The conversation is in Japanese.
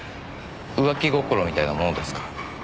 浮気心みたいなものですか？